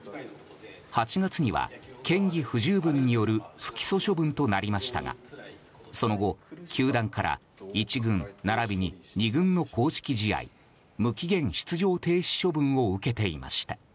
８月には嫌疑不十分による不起訴処分となりましたがその後、球団から１軍並びに２軍の公式試合無期限出場停止処分を受けていました。